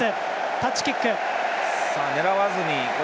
タッチキック。